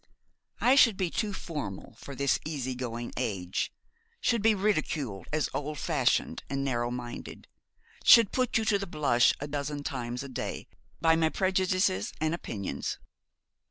I should be too formal for this easy going age, should be ridiculed as old fashioned and narrow minded, should put you to the blush a dozen times a day by my prejudices and opinions.